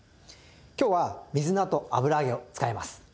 今日は水菜と油揚げを使います。